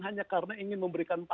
hanya karena ingin memberikan